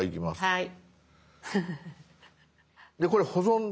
はい。